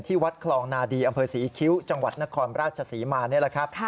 วัดคลองนาดีอำเภอศรีคิ้วจังหวัดนครราชศรีมานี่แหละครับ